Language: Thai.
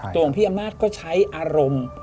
ตัวของพี่อำมาตย์ก็ใช้อารมณ์